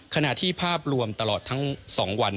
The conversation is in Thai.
ขณะที่ภาพรวมตลอดทั้ง๒วัน